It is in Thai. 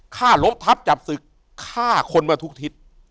ข้ารบทับจับสึกข้าคนมาทุกทิศ